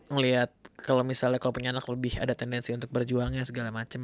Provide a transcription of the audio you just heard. ngelihat kalau misalnya kalau punya anak lebih ada tendensi untuk berjuangnya segala macem